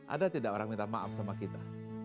ada tidak orang minta maaf sama kita